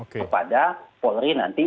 kepada polri nanti